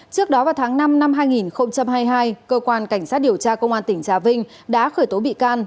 trước đó vào tháng năm năm hai nghìn hai mươi hai cơ quan cảnh sát điều tra công an tỉnh trà vinh đã khởi tố bị can